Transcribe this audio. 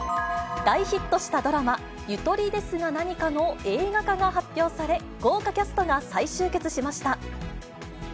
大ヒットしたドラマ、ゆとりですがなにかの映画化が発表され、豪華キャストが再集結しました。